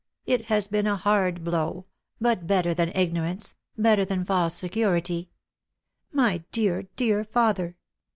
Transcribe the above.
" It has been a hard blow ; but better than ignor ance — better than false security. My dear, dear father